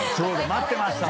待ってました！